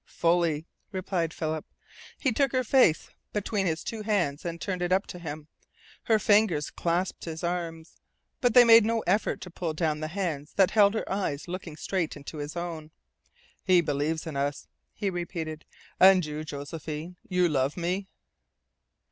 "Fully," replied Philip. He took her face between his two hands and turned it up to him. Her fingers clasped his arms. But they made no effort to pull down the hands that held her eyes looking straight into his own. "He believes in us," he repeated. "And you, Josephine, you love me?"